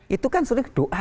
itu kan sulit doa